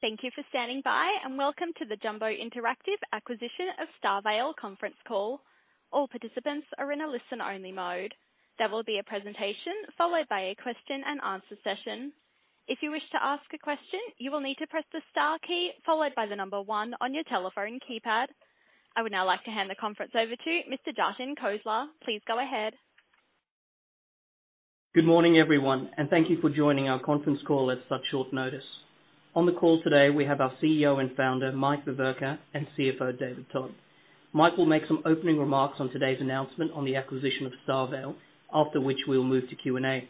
Thank you for standing by, and welcome to the Jumbo Interactive acquisition of StarVale conference call. All participants are in a listen only mode. There will be a presentation followed by a question and answer session. If you wish to ask a question, you will need to press the star key followed by the number one on your telephone keypad. I would now like to hand the conference over to Mr. Jatin Khosla. Please go ahead. Good morning, everyone, and thank you for joining our conference call at such short notice. On the call today, we have our CEO and founder, Mike Veverka, and CFO, David Todd. Mike will make some opening remarks on today's announcement on the acquisition of StarVale, after which we will move to Q&A.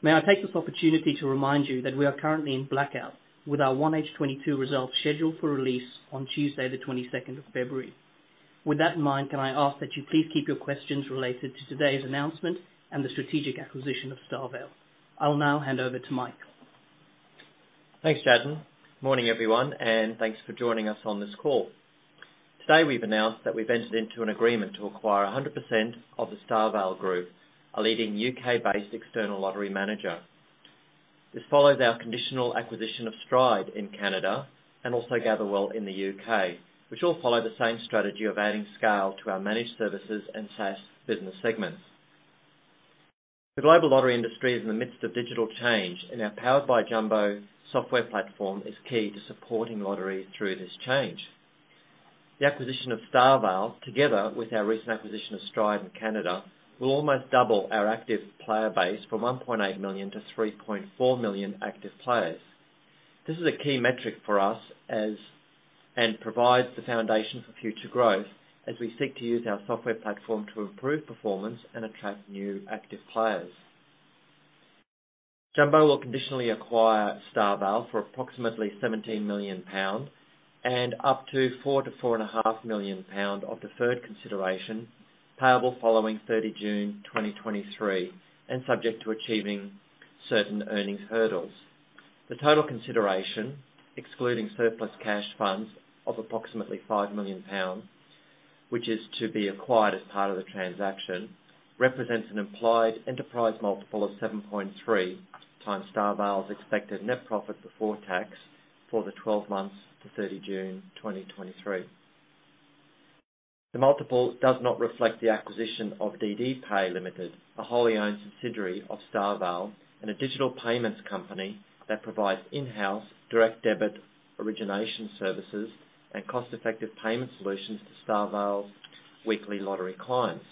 May I take this opportunity to remind you that we are currently in blackout with our 1H FY2022 results scheduled for release on Tuesday, the twenty-second of February. With that in mind, can I ask that you please keep your questions related to today's announcement and the strategic acquisition of StarVale. I'll now hand over to Mike. Thanks, Jatin. Morning, everyone, and thanks for joining us on this call. Today, we've announced that we've entered into an agreement to acquire 100% of the StarVale Group, a leading U.K.-based external lottery manager. This follows our conditional acquisition of Stride in Canada and also Gatherwell in the U.K., which all follow the same strategy of adding scale to our Managed Services and SaaS business segments. The global lottery industry is in the midst of digital change, and our Powered by Jumbo software platform is key to supporting lottery through this change. The acquisition of StarVale, together with our recent acquisition of Stride in Canada, will almost double our active player base from 1.8 million to 3.4 million active players. This is a key metric for us as, and provides the foundation for future growth as we seek to use our software platform to improve performance and attract new active players. Jumbo will conditionally acquire StarVale for approximately 17 million pound and up to 4 million-4.5 million pound of deferred consideration payable following 30 June 2023 and subject to achieving certain earnings hurdles. The total consideration, excluding surplus cash funds of approximately 5 million pounds, which is to be acquired as part of the transaction, represents an implied enterprise multiple of 7.3x StarVale's expected net profit before tax for the 12 months to 30 June 2023. The multiple does not reflect the acquisition of DDPay Ltd, a wholly owned subsidiary of StarVale, and a digital payments company that provides in-house direct debit origination services and cost-effective payment solutions to StarVale's weekly lottery clients.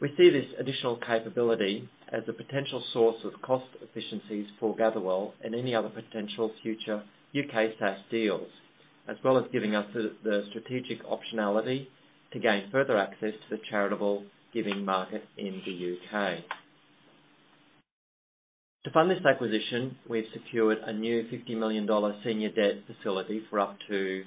We see this additional capability as a potential source of cost efficiencies for Gatherwell and any other potential future UK SaaS deals, as well as giving us the strategic optionality to gain further access to the charitable giving market in the U.K. To fund this acquisition, we've secured a new $50 million senior debt facility for up to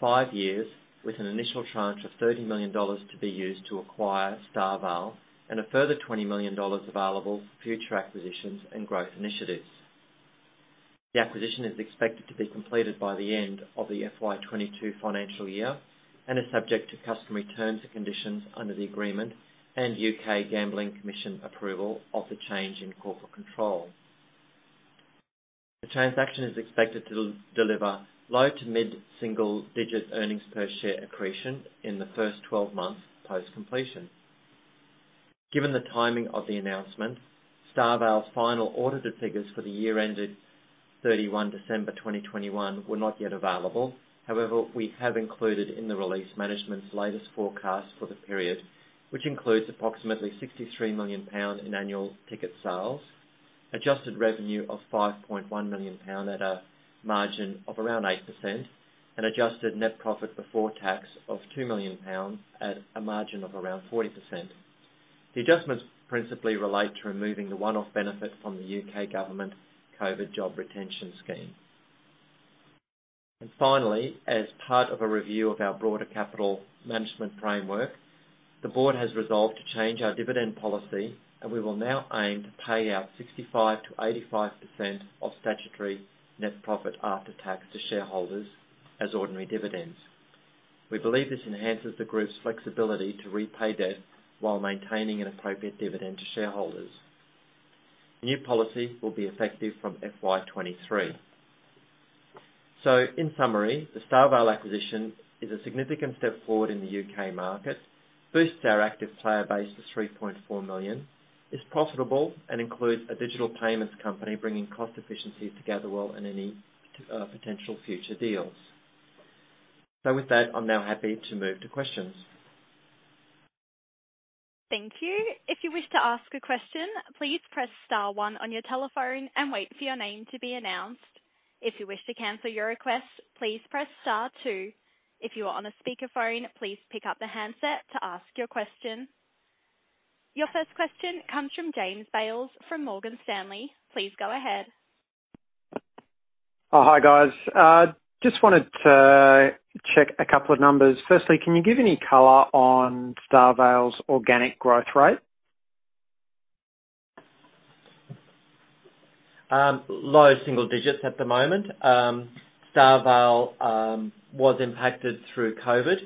five years with an initial tranche of $30 million to be used to acquire StarVale and a further $20 million available for future acquisitions and growth initiatives. The acquisition is expected to be completed by the end of the FY 2022 financial year and is subject to customary terms and conditions under the agreement and U.K. Gambling Commission approval of the change in corporate control. The transaction is expected to deliver low- to mid-single-digit earnings per share accretion in the first 12 months post-completion. Given the timing of the announcement, StarVale's final audited figures for the year ended 31 December 2021 were not yet available. However, we have included in the release management's latest forecast for the period, which includes approximately 63 million pound in annual ticket sales, adjusted revenue of 5 million pound at a margin of around 8%, an adjusted net profit before tax of 2 million pounds at a margin of around 40%. The adjustments principally relate to removing the one-off benefit from the U.K. government Coronavirus Job Retention Scheme. Finally, as part of a review of our broader capital management framework, the board has resolved to change our dividend policy, and we will now aim to pay out 65%-85% of statutory net profit after tax to shareholders as ordinary dividends. We believe this enhances the group's flexibility to repay debt while maintaining an appropriate dividend to shareholders. The new policy will be effective from FY 2023. In summary, the StarVale acquisition is a significant step forward in the U.K. market, boosts our active player base to 3.4 million, is profitable and includes a digital payments company bringing cost efficiencies to Gatherwell and any potential future deals. With that, I'm now happy to move to questions. Thank you. If you wish to ask a question please press star one on your telephone and wait your name to be announced. If you wish to cancel your request press star two. If your on a speaker phone please pickup the handset to ask your question. Your first question comes from James Bales from Morgan Stanley. Please go ahead. Oh, hi, guys. Just wanted to check a couple of numbers. Firstly, can you give any color on StarVale's organic growth rate? Low single digits at the moment. StarVale was impacted through COVID.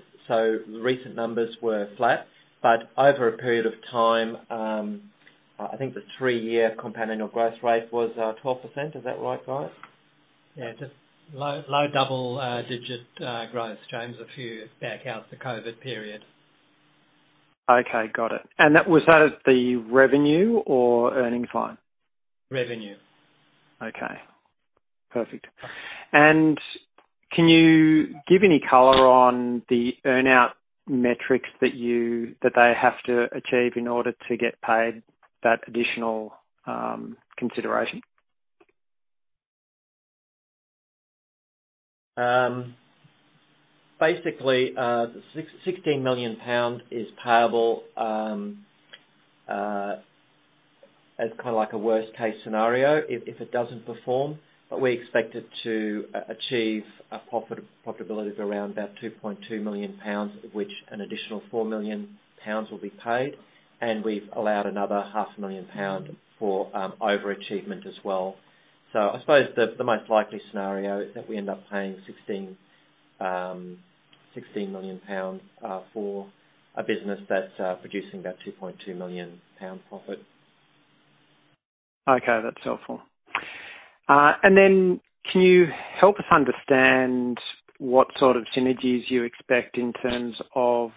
Recent numbers were flat, but over a period of time, I think the three-year compounding or growth rate was 12%. Is that right, Guy? Yeah. Just low double-digit growth, James, if you back out the COVID period. Okay, got it. That, was that the revenue or earnings line? Revenue. Okay, perfect. Can you give any color on the earn-out metrics that they have to achieve in order to get paid that additional consideration? Basically, the 16 million pound is payable as kinda like a worst case scenario if it doesn't perform. We expect it to achieve a profitability of around about 2.2 million pounds, of which an additional 4 million pounds will be paid. We've allowed another half a million GBP for over-achievement as well. I suppose the most likely scenario is that we end up paying 16 million pound for a business that's producing about 2.2 million pound profit. Okay, that's helpful. Can you help us understand what sort of synergies you expect in terms of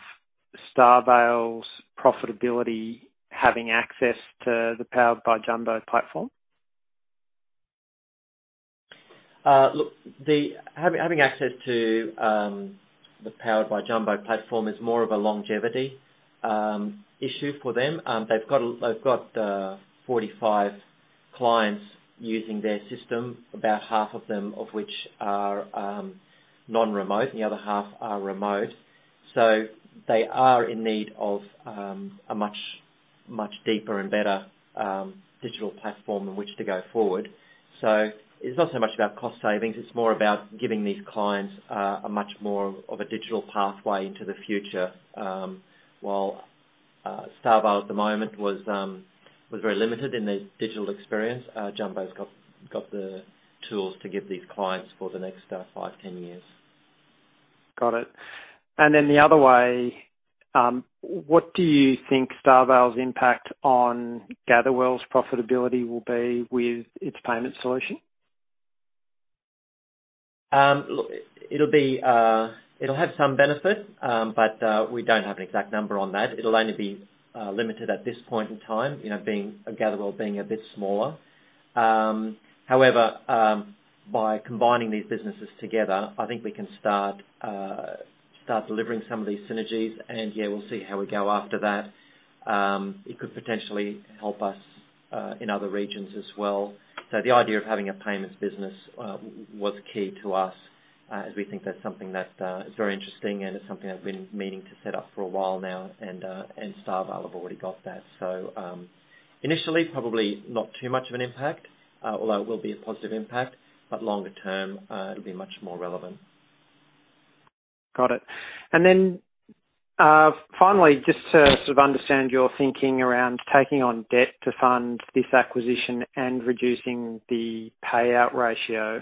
StarVale's profitability having access to the Powered by Jumbo platform? Look, having access to the Powered by Jumbo platform is more of a longevity issue for them. They've got 45 clients using their system, about half of them of which are non-remote and the other half are remote. They are in need of a much deeper and better digital platform in which to go forward. It's not so much about cost savings, it's more about giving these clients a much more of a digital pathway into the future. While StarVale at the moment was very limited in their digital experience, Jumbo's got the tools to give these clients for the next five, 10 years. Got it. The other way, what do you think StarVale's impact on Gatherwell's profitability will be with its payment solution? Look, it'll be, it'll have some benefit, but we don't have an exact number on that. It'll only be limited at this point in time, you know, Gatherwell being a bit smaller. However, by combining these businesses together, I think we can start delivering some of these synergies and, yeah, we'll see how we go after that. It could potentially help us in other regions as well. The idea of having a payments business was key to us, as we think that's something that is very interesting and it's something I've been meaning to set up for a while now, and StarVale have already got that. Initially, probably not too much of an impact, although it will be a positive impact, but longer term, it'll be much more relevant. Got it. Finally, just to sort of understand your thinking around taking on debt to fund this acquisition and reducing the payout ratio,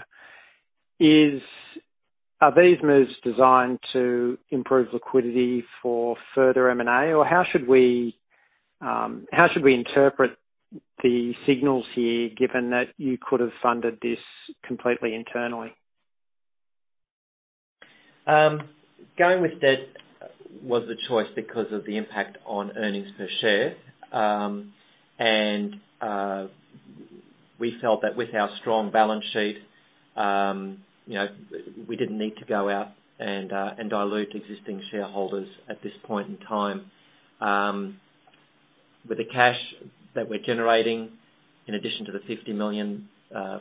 are these moves designed to improve liquidity for further M&A? Or how should we interpret the signals here, given that you could have funded this completely internally? Going with debt was the choice because of the impact on earnings per share. We felt that with our strong balance sheet, you know, we didn't need to go out and dilute existing shareholders at this point in time. With the cash that we're generating, in addition to the $50 million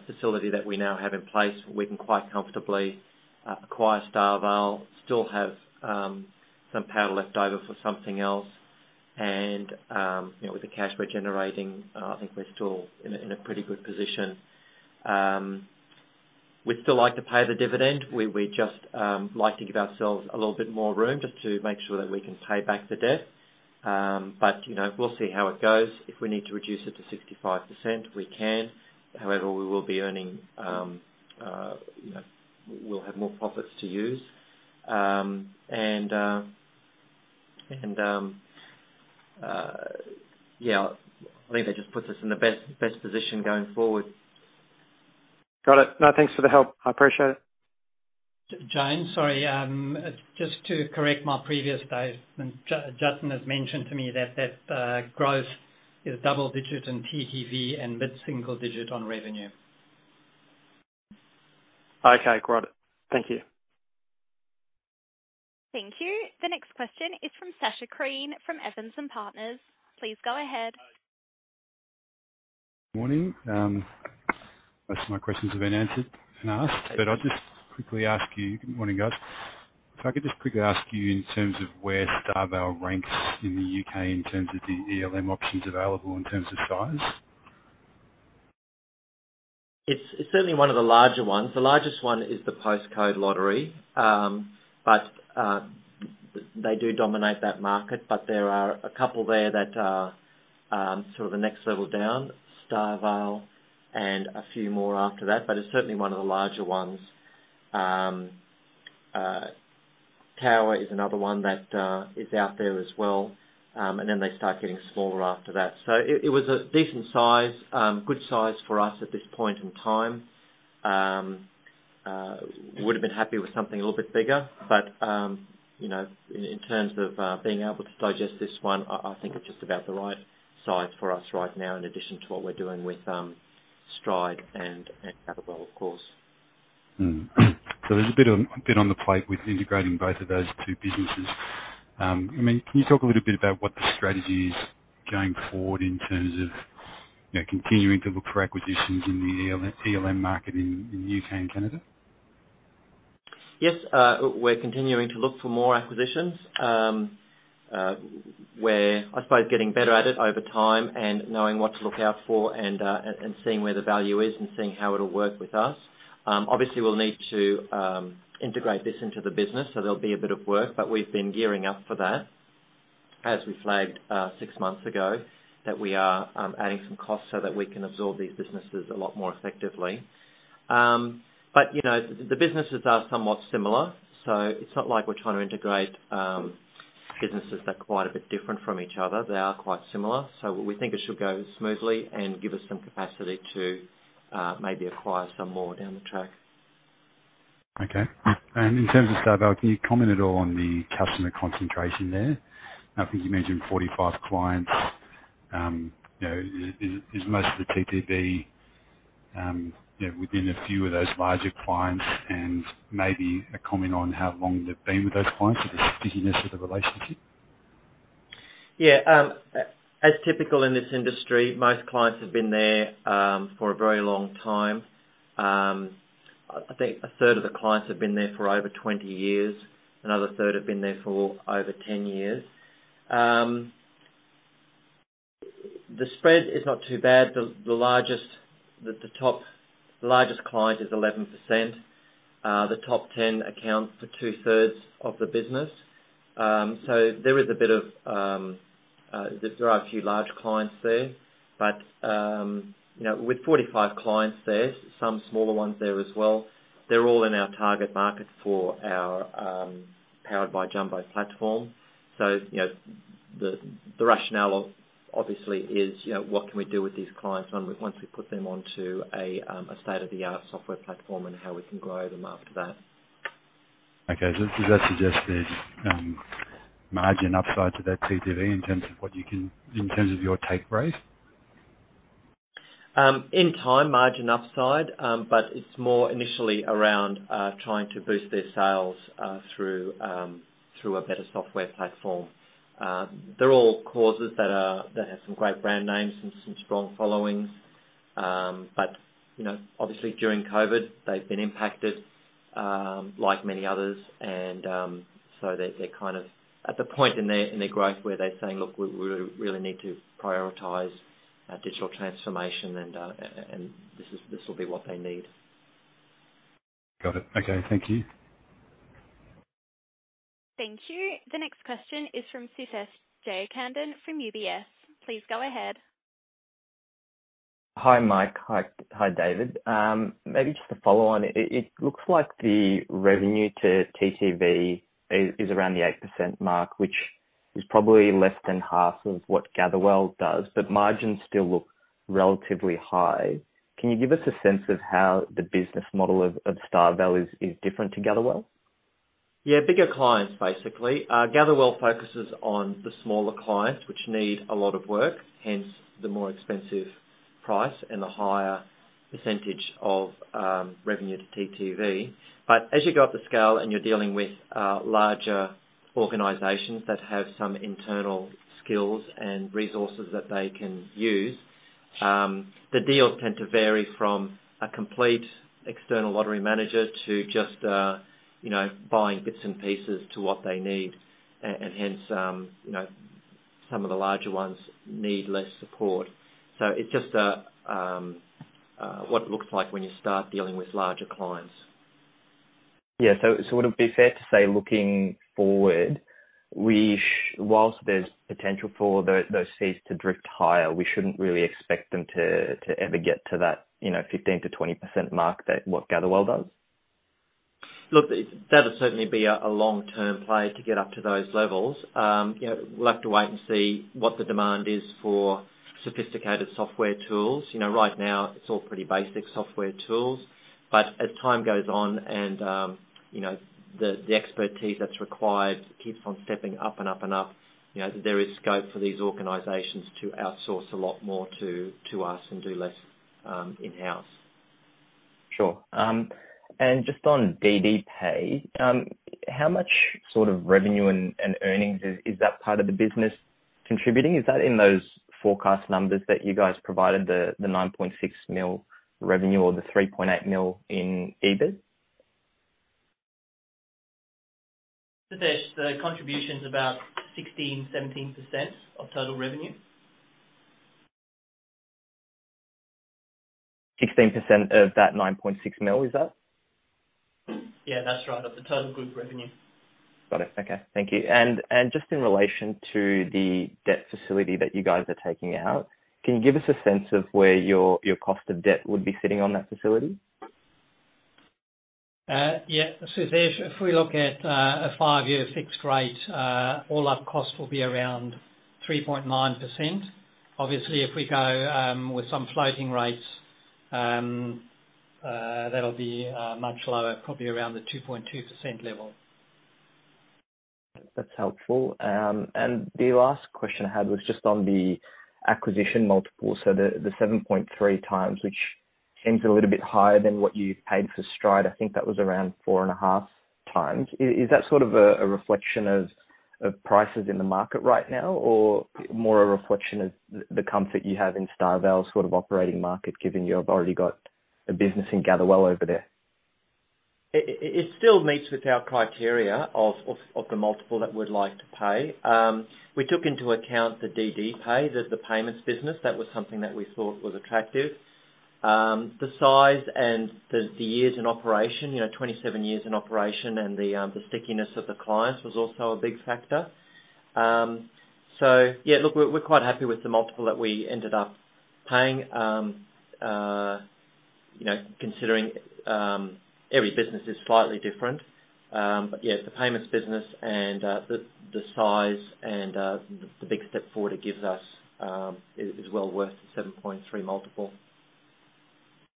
facility that we now have in place, we can quite comfortably acquire StarVale, still have some powder left over for something else. You know, with the cash we're generating, I think we're still in a pretty good position. We'd still like to pay the dividend. We just like to give ourselves a little bit more room just to make sure that we can pay back the debt. You know, we'll see how it goes. If we need to reduce it to 65%, we can. However, we will be earning, you know, we'll have more profits to use. And, yeah, I think that just puts us in the best position going forward. Got it. No, thanks for the help. I appreciate it. James, sorry, just to correct my previous statement. Jatin has mentioned to me that growth is double digit in TTV and mid-single digit on revenue. Okay. Got it. Thank you. Thank you. The next question is from Sacha Krien, from Evans and Partners. Please go ahead. Morning. Most of my questions have been answered and asked, but I'll just quickly ask you. Good morning, guys. If I could just quickly ask you in terms of where StarVale ranks in the U.K. in terms of the ELM options available in terms of size. It's certainly one of the larger ones. The largest one is the Postcode Lottery. They do dominate that market, but there are a couple there that are sort of the next level down, StarVale and a few more after that, but it's certainly one of the larger ones. Tower is another one that is out there as well, and then they start getting smaller after that. It was a decent size, good size for us at this point in time. Would've been happy with something a little bit bigger, but you know, in terms of being able to digest this one, I think it's just about the right size for us right now, in addition to what we're doing with Stride and Gatherwell, of course. There's a bit on the plate with integrating both of those two businesses. I mean, can you talk a little bit about what the strategy is going forward in terms of, you know, continuing to look for acquisitions in the ELM market in U.K. and Canada? Yes. We're continuing to look for more acquisitions. We're, I suppose, getting better at it over time and knowing what to look out for and seeing where the value is and seeing how it'll work with us. Obviously we'll need to integrate this into the business, so there'll be a bit of work, but we've been gearing up for that as we flagged six months ago, that we are adding some costs so that we can absorb these businesses a lot more effectively. You know, the businesses are somewhat similar, so it's not like we're trying to integrate businesses that are quite a bit different from each other. They are quite similar, so we think it should go smoothly and give us some capacity to maybe acquire some more down the track. Okay. In terms of StarVale, can you comment at all on the customer concentration there? I think you mentioned 45 clients. You know, is most of the TTV, you know, within a few of those larger clients, and maybe a comment on how long they've been with those clients or the stickiness of the relationship? Yeah. As typical in this industry, most clients have been there for a very long time. I think a third of the clients have been there for over 20 years. Another third have been there for over 10 years. The spread is not too bad. The top largest client is 11%. The top ten account for 2/3 of the business. There are a few large clients there, but you know, with 45 clients there, some smaller ones there as well, they're all in our target market for our Powered by Jumbo platform. You know, the rationale obviously is, you know, what can we do with these clients once we put them onto a state-of-the-art software platform, and how we can grow them after that. Okay. Does that suggest there's margin upside to that TTV in terms of your take rate? In time, margin upside, but it's more initially around trying to boost their sales through a better software platform. They're all causes that have some great brand names and some strong followings, but you know, obviously during COVID, they've been impacted like many others. They're kind of at the point in their growth where they're saying, "Look, we really, really need to prioritize our digital transformation," and this will be what they need. Got it. Okay. Thank you. Thank you. The next question is from Suthesh Jeyakandan from UBS. Please go ahead. Hi, Mike. Hi, David. Maybe just to follow on, it looks like the revenue to TTV is around the 8% mark, which is probably less than half of what Gatherwell does, but margins still look relatively high. Can you give us a sense of how the business model of StarVale is different to Gatherwell? Yeah. Bigger clients, basically. Gatherwell focuses on the smaller clients, which need a lot of work, hence the more expensive price and the higher percentage of revenue to TTV. As you go up the scale and you're dealing with larger organizations that have some internal skills and resources that they can use, the deals tend to vary from a complete external lottery manager to just, you know, buying bits and pieces to what they need. Hence, you know, some of the larger ones need less support. It's just what it looks like when you start dealing with larger clients. Yeah. Would it be fair to say, looking forward, while there's potential for those fees to drift higher, we shouldn't really expect them to ever get to that, you know, 15%-20% mark than what Gatherwell does? Look, it's, that'll certainly be a long-term play to get up to those levels. You know, we'll have to wait and see what the demand is for sophisticated software tools. You know, right now it's all pretty basic software tools. As time goes on and, you know, the expertise that's required keeps on stepping up and up and up, you know, there is scope for these organizations to outsource a lot more to us and do less, in-house. Sure. Just on DDPay, how much sort of revenue and earnings is that part of the business contributing? Is that in those forecast numbers that you guys provided, the 9.6 million revenue or the 3.8 million in EBIT? Suthesh, the contribution's about 16%-17% of total revenue. 16% of that 9.6 million, is that? Yeah, that's right. Of the total group revenue. Got it. Okay. Thank you. Just in relation to the debt facility that you guys are taking out, can you give us a sense of where your cost of debt would be sitting on that facility? If we look at a five-year fixed rate, all our costs will be around 3.9%. Obviously, if we go with some floating rates, that'll be much lower, probably around the 2.2% level. That's helpful. The last question I had was just on the acquisition multiple. The 7.3x, which seems a little bit higher than what you paid for Stride, I think that was around 4.5x. Is that sort of a reflection of prices in the market right now, or more a reflection of the comfort you have in StarVale sort of operating market, given you have already got a business in Gatherwell over there? It still meets with our criteria of the multiple that we'd like to pay. We took into account the DDPay, the payments business. That was something that we thought was attractive. The size and the years in operation, you know, 27 years in operation and the stickiness of the clients was also a big factor. Yeah, look, we're quite happy with the multiple that we ended up paying. You know, considering every business is slightly different. Yeah, the payments business and the size and the big step forward it gives us is well worth 7.3x multiple.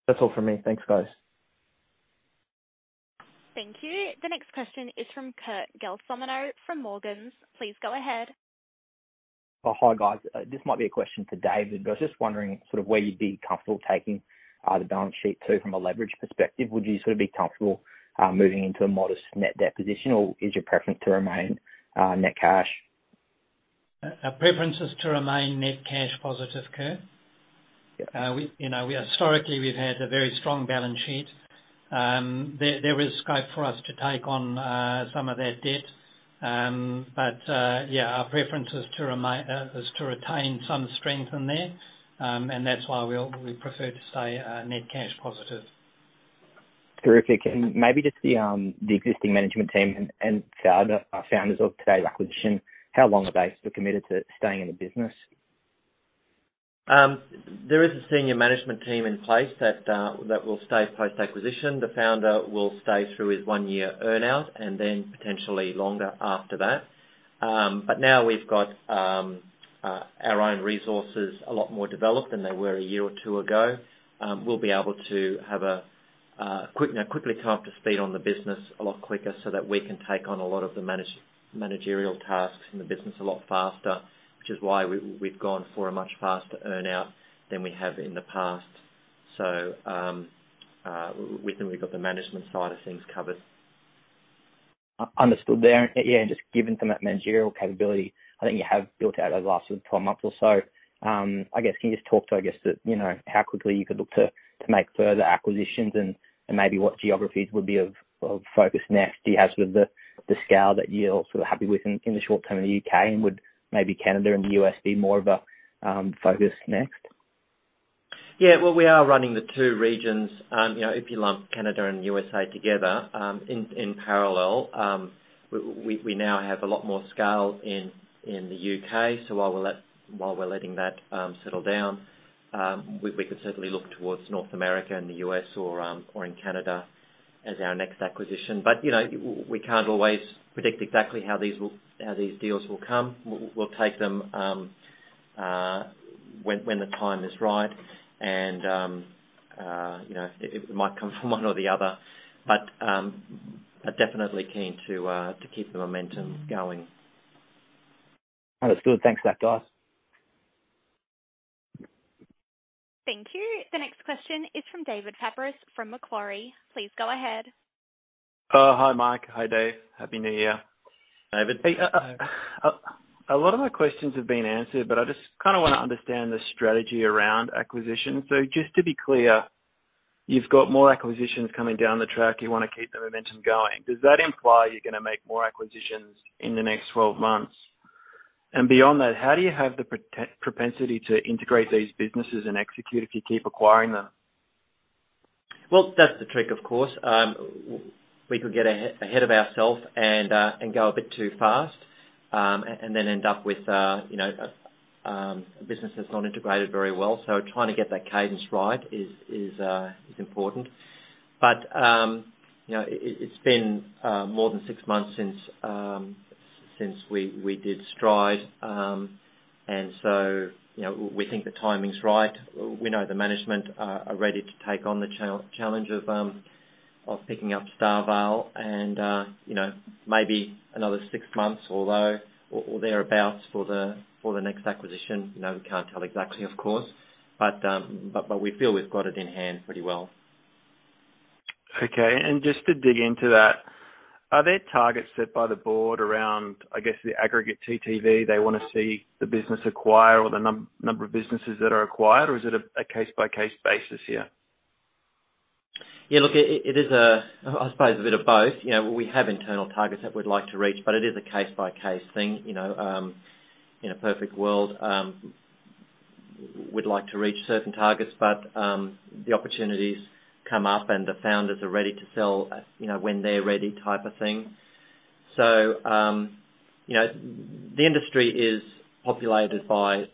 That's all from me. Thanks, guys. Thank you. The next question is from Kurt Gelsomino from Morgans. Please go ahead. Oh, hi, guys. This might be a question for David, but I was just wondering sort of where you'd be comfortable taking the balance sheet to from a leverage perspective? Would you sort of be comfortable moving into a modest net debt position or is your preference to remain net cash? Our preference is to remain net cash positive, Kurt. Yeah. You know, we historically have had a very strong balance sheet. There is scope for us to take on some of that debt. Yeah, our preference is to retain some strength in there. That's why we prefer to stay net cash positive. Terrific. Maybe just the existing management team and founders of today's acquisition, how long are they still committed to staying in the business? There is a senior management team in place that will stay post-acquisition. The founder will stay through his one-year earn-out and then potentially longer after that. Now we've got our own resources a lot more developed than they were a year or two ago. We'll be able to quickly, you know, come up to speed on the business a lot quicker so that we can take on a lot of the managerial tasks in the business a lot faster, which is why we've gone for a much faster earn-out than we have in the past. With them we've got the management side of things covered. Understood there. Yeah, just given some of that managerial capability, I think you have built out over the last 12 months or so. I guess can you just talk to you know how quickly you could look to make further acquisitions and maybe what geographies would be of focus next? Do you have sort of the scale that you're also happy with in the U.K., and would maybe Canada and the U.S. be more of a focus next? Well, we are running the two regions. You know, if you lump Canada and the U.S. together in parallel, we now have a lot more scale in the U.K. While we're letting that settle down, we could certainly look towards North America and the U.S. or in Canada as our next acquisition. You know, we can't always predict exactly how these deals will come. We'll take them when the time is right and you know, it might come from one or the other. Definitely keen to keep the momentum going. That's good. Thanks for that, guys. Thank you. The next question is from David Fabris from Macquarie. Please go ahead. Hi, Mike. Hi, David. Happy New Year. David. A-a-a- Hello. A lot of my questions have been answered, but I just kinda wanna understand the strategy around acquisition. Just to be clear, you've got more acquisitions coming down the track. You wanna keep the momentum going. Does that imply you're gonna make more acquisitions in the next 12 months? Beyond that, how do you have the propensity to integrate these businesses and execute if you keep acquiring them? Well, that's the trick of course. We could get ahead of ourselves and go a bit too fast and then end up with you know a business that's not integrated very well. Trying to get that cadence right is important. You know it's been more than six months since we did Stride. We think the timing's right. We know the management are ready to take on the challenge of picking up StarVale and you know maybe another six months or so or thereabouts for the next acquisition. We can't tell exactly of course. We feel we've got it in hand pretty well. Okay. Just to dig into that, are there targets set by the board around, I guess, the aggregate TTV they wanna see the business acquire or the number of businesses that are acquired, or is it a case-by-case basis here? Yeah, look, it is a bit of both. You know, we have internal targets that we'd like to reach, but it is a case-by-case thing. You know, in a perfect world, we'd like to reach certain targets, but the opportunities come up and the founders are ready to sell, you know, when they're ready type of thing. You know, the industry is populated by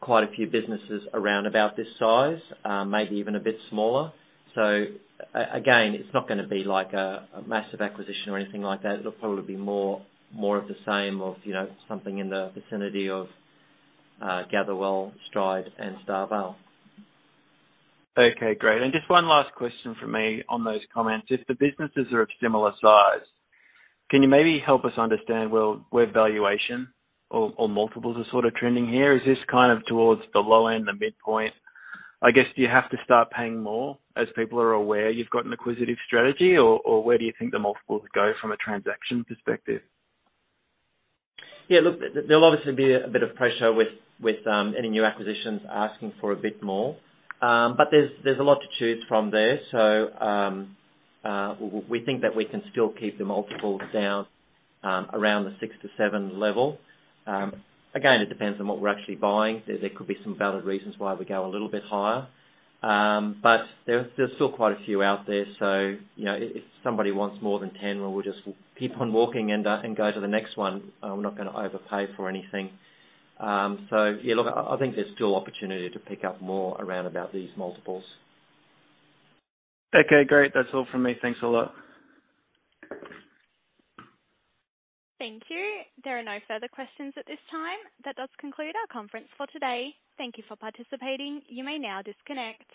quite a few businesses around about this size, maybe even a bit smaller. It's not gonna be like a massive acquisition or anything like that. It'll probably be more of the same, you know, something in the vicinity of Gatherwell, Stride, and StarVale. Okay, great. Just one last question from me on those comments. If the businesses are of similar size, can you maybe help us understand where valuation or multiples are sort of trending here? Is this kind of towards the low end, the midpoint? I guess, do you have to start paying more as people are aware you've got an acquisitive strategy or where do you think the multiples go from a transaction perspective? Yeah, look, there'll obviously be a bit of pressure with any new acquisitions asking for a bit more. There's a lot to choose from there. We think that we can still keep the multiples down around the six to seven level. Again, it depends on what we're actually buying. There could be some valid reasons why we go a little bit higher. There's still quite a few out there. You know, if somebody wants more than 10, well, we'll just keep on walking and go to the next one. We're not gonna overpay for anything. Yeah, look, I think there's still opportunity to pick up more around about these multiples. Okay, great. That's all from me. Thanks a lot. Thank you. There are no further questions at this time. That does conclude our conference for today. Thank you for participating. You may now disconnect.